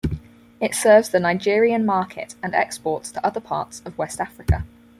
It serves the Nigerian market and exports to other parts of West Africa.